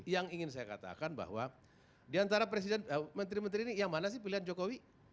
yang ingin saya katakan bahwa diantara presiden menteri menteri ini yang mana sih pilihan jokowi